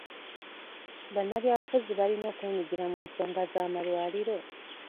Bannabyabufuzi balina okwenyigira mu nsonga z'amalwaliro?